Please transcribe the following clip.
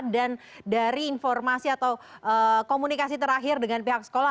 dan dari informasi atau komunikasi terakhir dengan pihak sekolah